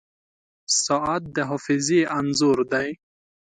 • ساعت د حافظې انځور دی.